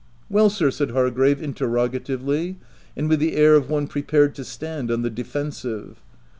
" Well, sir ?" said Hargrave interrogatively, and with the air of one prepared to stand on the defensive.